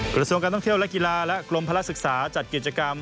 กระทรวงการท่องเที่ยวและกีฬาและกรมพลักษึกษาจัดกิจกรรม